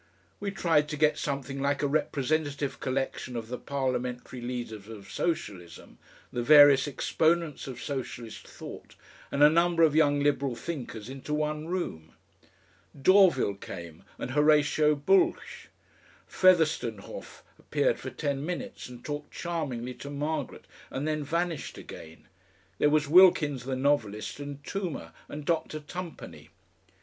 We tried to get something like a representative collection of the parliamentary leaders of Socialism, the various exponents of Socialist thought and a number of Young Liberal thinkers into one room. Dorvil came, and Horatio Bulch; Featherstonehaugh appeared for ten minutes and talked charmingly to Margaret and then vanished again; there was Wilkins the novelist and Toomer and Dr. Tumpany.